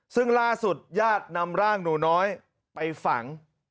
ซึ่งล่าสุดญาตินำร่างหนูน้อยไปฝัง